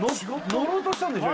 乗ろうとしたんでしょ？